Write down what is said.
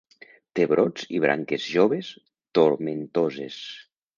Té brots i branques joves tomentoses.